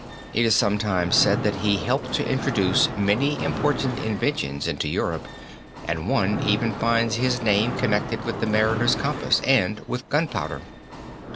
It is sometimes said that he helped to introduce many important inventions into Europe and one even finds his name connected with the mariner's compass and with gunpowder.